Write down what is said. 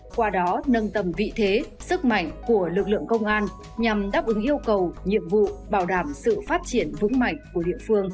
qua đó nâng tầm vị thế sức mạnh của lực lượng công an nhằm đáp ứng yêu cầu nhiệm vụ bảo đảm sự phát triển vững mạnh của địa phương